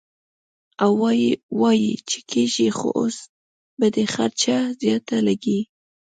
او وائي چې کيږي خو اوس به دې خرچه زياته لګي -